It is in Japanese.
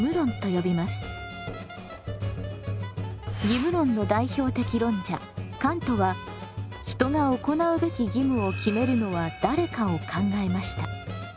義務論の代表的論者カントは人が行うべき義務を決めるのは誰かを考えました。